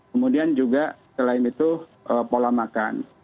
kemudian juga selain itu pola makan